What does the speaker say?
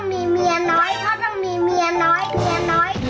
พ่อต้องมีเมียน้อย